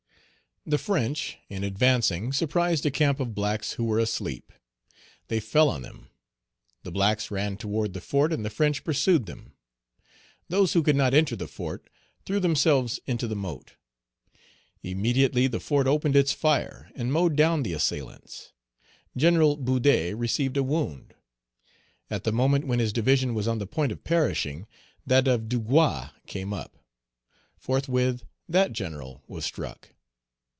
The French, in advancing, surprised a camp of blacks who were asleep. They fell on them; the blacks ran toward the fort and the French pursued them. Those who could not enter the fort threw themselves into the moat. Immediately the fort opened its fire and mowed down the assailants. General Boudet received a wound. At the moment when his division was on the point of perishing, that of Dugua came up. Forthwith, that general was struck.